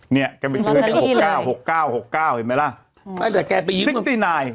นี่แกไปซื้อ๖๙๖๙๖๙เห็นไหมล่ะ